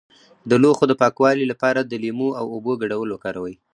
د لوښو د پاکوالي لپاره د لیمو او اوبو ګډول وکاروئ